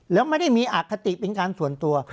แล้วไม่ได้มีอคติเป็นการส่วนตัว